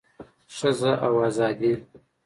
ښځه او ازادي